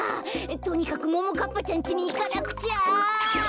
とにかくももかっぱちゃんちにいかなくちゃ。